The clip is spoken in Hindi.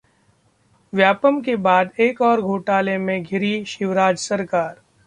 व्यापम के बाद एक और घोटाले में घिरी शिवराज सरकार